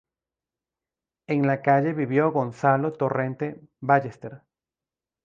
En la calle vivió Gonzalo Torrente Ballester.